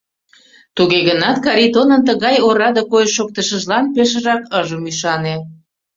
Туге гынат Каритонын тыгай ораде койыш-шоктышыжлан пешыжак ыжым ӱшане.